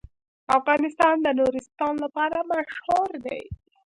افغانستان د نورستان لپاره مشهور دی.